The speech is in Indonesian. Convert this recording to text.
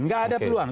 tidak ada peluang